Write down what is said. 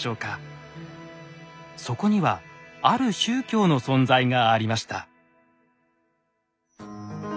そこにはある宗教の存在がありました。